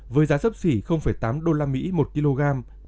với giá sấp xỉ tám đô la mỹ một kg